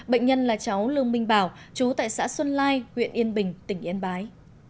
bệnh nhân là cháu lương minh bảo chú tại xã xuân lai huyện yên bình tỉnh yên bái